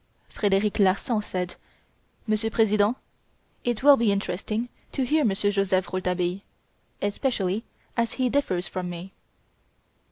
Frederic Larsan said: "Monsieur President, it will be interesting to hear Monsieur Joseph Rouletabille, especially as he differs from me."